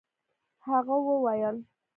هغه وويل.